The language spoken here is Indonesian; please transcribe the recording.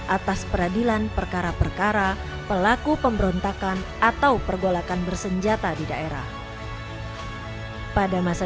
atas peradilan perkara perkara pelaku pemberontakan atau pergolakan bersenjata di daerah pada masa